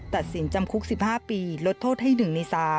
ตัดสินจำคุก๑๕ปีลดโทษให้๑ใน๓